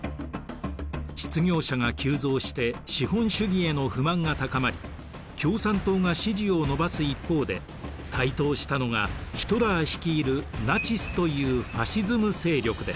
失業者が急増して資本主義への不満が高まり共産党が支持を伸ばす一方で台頭したのがヒトラー率いるナチスというファシズム勢力です。